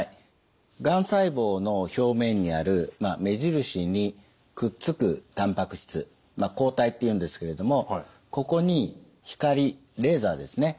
がん細胞の表面にある目印にくっつくたんぱく質抗体っていうんですけれどもここに光レーザーですね